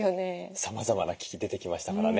さまざまな機器出てきましたからね。